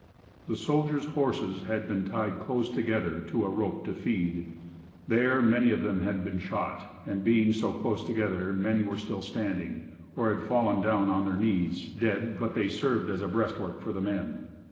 The soldiers horses had been tied close together to a rope to feed. There many of them had been shot, and being so close together many were still standing, or had fallen down on their knees dead, but they served as a breast work for the men.